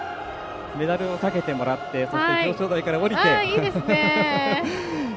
メダルをかけてもらってそして表彰台から降りて。